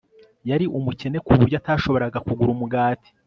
Yari umukene ku buryo atashoboraga kugura umugati